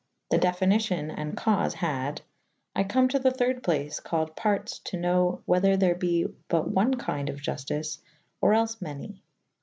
The definicyon and caufe had [,] I come to the thyrde place callid partes to knowe whether ther be but one kynde of Juftyce or els many.